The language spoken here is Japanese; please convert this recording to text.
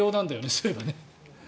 そういえばね。